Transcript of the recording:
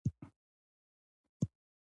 هغو کسانو ته یې درد نه رسېږي.